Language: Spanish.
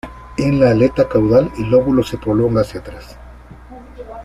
En la aleta caudal, el lóbulo se prolonga hacia atrás.